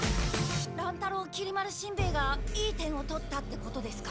乱太郎きり丸しんべヱがいい点を取ったってことですか？